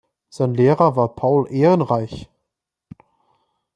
Sein Lehrer war Paul Ehrenreich.